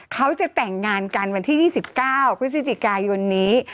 เขาจะแต่งงานกันวันที่๒๙พฤศจิกายนนี้